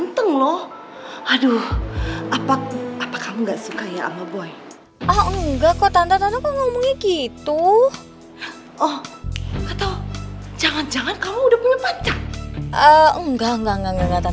eh enggak enggak enggak enggak tante